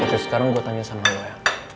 oke sekarang gue tanya sama lo ya